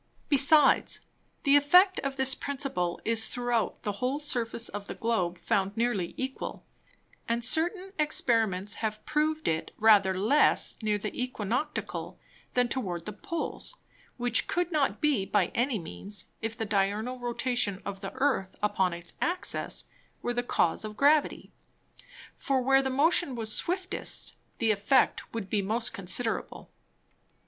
Besides, the Effect of this Principle is throughout the whole Surface of the Globe found nearly equal; and certain Experiments have proved it rather less near the Æquinoctial, than towards the Poles; which could not be by any means, if the Diurnal Rotation of the Earth upon its Axis were the Cause of Gravity; for where the Motion was swiftest, the Effect would be most considerable.